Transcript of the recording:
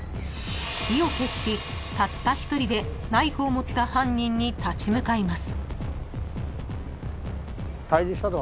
［意を決したった一人でナイフを持った犯人に立ち向かいます］